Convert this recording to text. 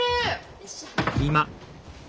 よいしょ。